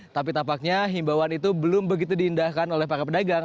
tapi tampaknya himbauan itu belum begitu diindahkan oleh para pedagang